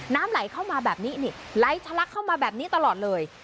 น้ำไหลเข้ามาแบบนี้นี่ไหลทะลักเข้ามาแบบนี้ตลอดเลย